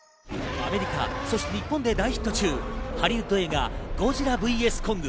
アメリカ、そして日本で大ヒット中ハリウッド映画『ゴジラｖｓコング』。